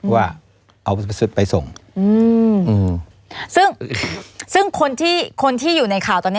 ว่าเอาไปส่งอืมอืมซึ่งซึ่งคนที่คนที่อยู่ในข่าวตอนเนี้ย